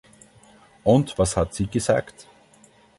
Und was hat sie gesagt?